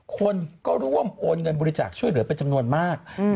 คนก็ร่วมโอนเงินบริจาคช่วยเหลือเป็นจำนวนมาก